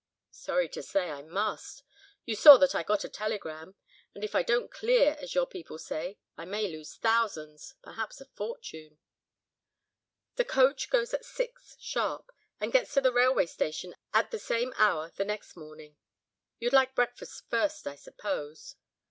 "Sorry to say I must; you saw that I got a telegram, and if I don't clear, as your people say, I may lose thousands, perhaps a fortune." "The coach goes at six, sharp; and gets to the railway station at the same hour the next morning. You'd like breakfast first, I suppose?"